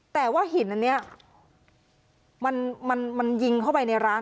แต่ว่าหินอันนี้มันยิงเข้าไปในร้าน